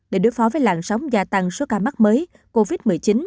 để đối phó với làn sóng gia tăng số ca mắc mới covid một mươi chín